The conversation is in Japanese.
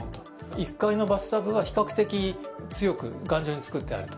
１階のバスタブは比較的強く頑丈に作ってあると。